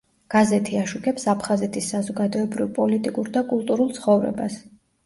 გაზეთი აშუქებს აფხაზეთის საზოგადოებრივ-პოლიტიკურ და კულტურულ ცხოვრებას.